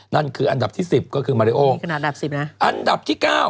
นั่นคืออันดับที่๑๐ก็คือมาริโออันดับที่๙